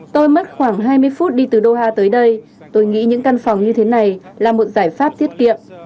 tôi mất khoảng hai mươi phút đi từ doha tới đây tôi nghĩ những căn phòng như thế này là một giải pháp tiết kiệm